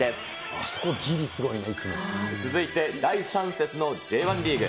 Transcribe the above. あそこ、ぎりすごいね、続いて第３節のＪ１リーグ。